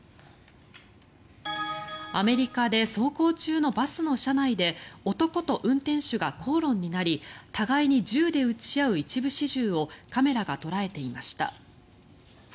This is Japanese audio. アメリカで走行中のバスの車内で男と運転手が口論になり互いに銃で撃ち合う一部始終をカメラが捉えていました。